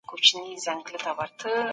که موږ يې سمه وکاروو.